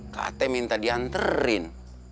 kata minta dianterin